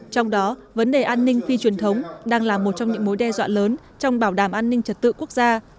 trong đó vấn đề an ninh phi truyền thống đang là một trong những mối đe dọa lớn trong bảo đảm an ninh trật tự quốc gia